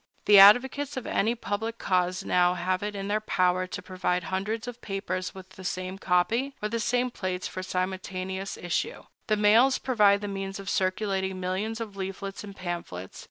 The advocates of any public cause now have it in their power to provide hundreds of newspapers with the same copy, or the same plates, for simultaneous issue. The mails provide the means of circulating millions of leaflets and pamphlets.